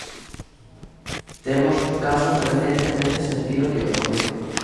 Temos casos recentes neste sentido que o confirman.